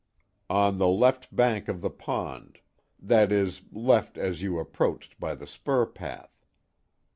"On the left bank of the pond that is, left as you approached by the spur path.